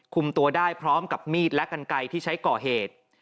คุมตัวได้พร้อมกับมีดและกันไกลที่ใช้ก่อเหตุ